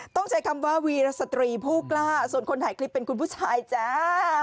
ต้องใช้คำว่าวีรสตรีผู้กล้าส่วนคนถ่ายคลิปเป็นคุณผู้ชายจ้า